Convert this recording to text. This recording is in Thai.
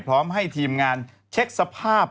พร้อมให้ทีมงานเช็คสภาพ